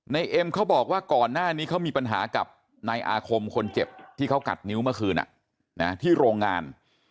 เอ็มเขาบอกว่าก่อนหน้านี้เขามีปัญหากับนายอาคมคนเจ็บที่เขากัดนิ้วเมื่อคืนที่โรงงาน